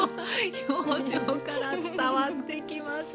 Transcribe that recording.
表情から伝わってきます。